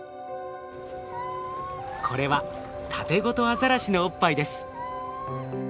これはタテゴトアザラシのおっぱいです。